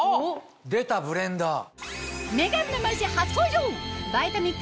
出たブレンダー。